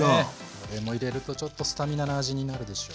これも入れるとちょっとスタミナな味になるでしょう。